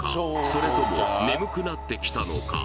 それとも眠くなってきたのか？